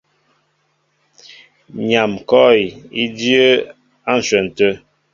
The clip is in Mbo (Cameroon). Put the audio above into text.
Nyam kɔ̂w í dyə́ə́ á ǹshwɛn tə̂.